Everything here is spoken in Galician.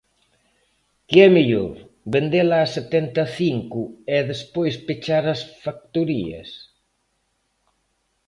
Que é mellor vendela a setenta e cinco e despois pechar as factorías.